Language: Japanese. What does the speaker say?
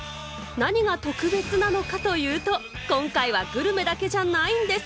何が特別なのかというと、今回はグルメだけじゃないんです！